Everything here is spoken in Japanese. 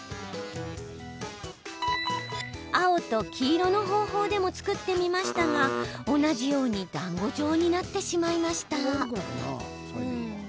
青と黄色の方法でも作ってみましたが同じようにだんご状になってしまいました。